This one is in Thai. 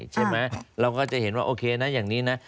ใช่ไหมเราก็จะเห็นว่าโอเคนะอย่างนี้นะ